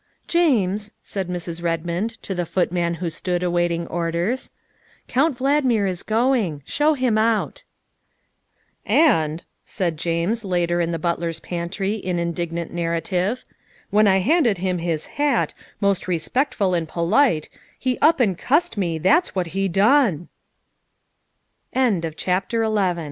" James," said Mrs. Redmond to the footman who stood awaiting orders, " Count Valdmir is going. Show him out." " And," said James later in the butler's pantry in indignant narrative, " when I handed him his hat, most respectful and polite, he up and cussed me,